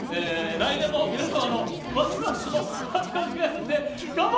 来年も、皆様のますますの発展を願いまして、乾杯！